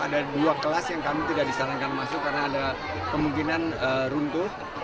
ada dua kelas yang kami tidak disarankan masuk karena ada kemungkinan runtuh